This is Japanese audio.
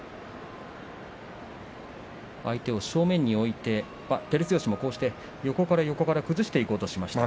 相手を正面に置いて照強も横から横から崩していこうとしました。